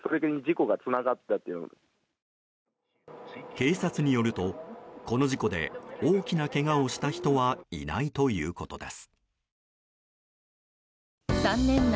警察によると、この事故で大きなけがをした人はいないということです。